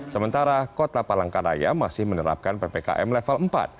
sementara kota palangkaraya masih menerapkan ppkm level empat